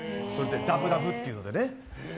ダブダブっていうのでね。